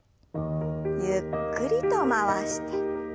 ゆっくりと回して。